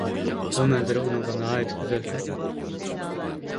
بۇ مەنزىرە ئۇنىڭغا ناھايىتى گۈزەل كۆرۈنۈپتۇ.